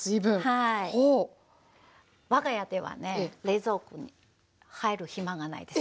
はい我が家ではね冷蔵庫に入る暇がないです。